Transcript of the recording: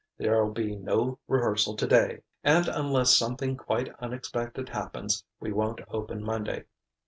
"There'll be no rehearsal today, and and unless something quite unexpected happens, we won't open Monday.